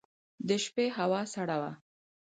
د شپې هوا سړه وه.